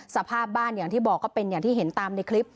สภาพบ้านอย่างที่บอกก็เป็นอย่างที่เห็นตามในคลิป